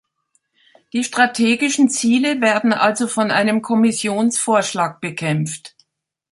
Die strategischen Ziele werden also von einem Kommissionsvorschlag bekämpft.